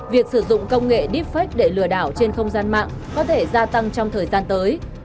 việc sử dụng công nghệ deepfake để lừa đảo trên không gian mạng có thể gia tăng trong thời gian tới